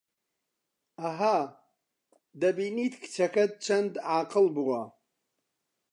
ئەها، دەبینیت کچەکەت چەند ئاقڵ بووە